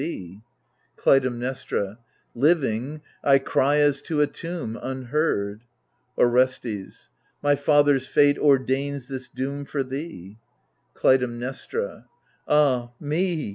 THE LIBATION BEARERS 125 Clytemnestra Living, I cry as to a tomb, unheard. Orestes My father's fate ordains this doom for thee. Clytemnestra Ah me